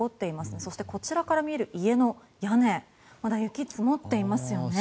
そしてこちらから見える家の屋根にまだ雪が積もっていますよね。